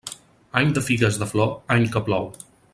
Any de figues de flor, any que plou.